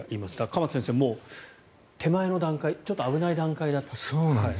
鎌田先生も、手前の段階ちょっと危ない段階だったと。